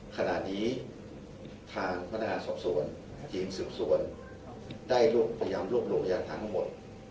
ขณะนี้ทางพนธาษศพส่วนศพส่วนได้พยายามรวบโรงพยาศาสตร์ทั้งหมด